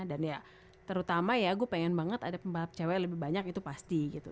dan ya terutama ya gue pengen banget ada pembalap cewek yang lebih banyak itu pasti gitu